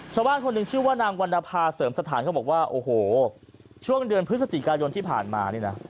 ชาวบ้านคนหนึ่งชื่อว่านางวรรณภาเสริมสถานเขาบอกว่าโอ้โหช่วงเดือนพฤศจิกายนที่ผ่านมานี่นะ